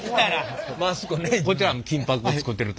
こちらは金箔を作っているという？